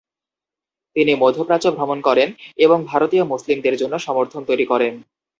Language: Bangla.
তিনি মধ্যপ্রাচ্য ভ্রমণ করেন এবং ভারতীয় মুসলিমদের জন্য সমর্থন তৈরী করেন।